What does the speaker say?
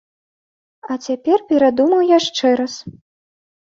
А цяпер перадумаў яшчэ раз.